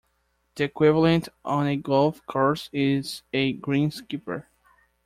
The equivalent on a golf course is a greenskeeper.